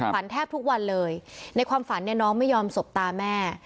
แทบทุกวันเลยในความฝันเนี่ยน้องไม่ยอมสบตาแม่